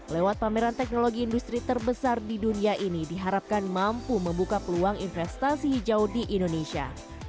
lewat pameran teknologi industri terbesar di dunia ini diharapkan mampu membuka peluang investasi hijau di indonesia